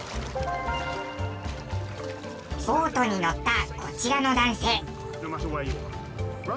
ボートに乗ったこちらの男性。